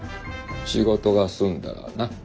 仕事が済んだらな。